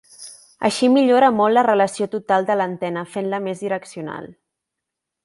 Així millora molt la relació total de l'antena, fent-la més direccional.